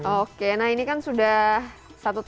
oke nah ini kan sudah satu tahun ya mas ya di sana